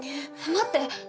待って！